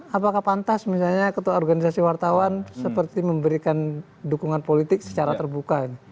apakah pantas misalnya ketua organisasi wartawan seperti memberikan dukungan politik secara terbuka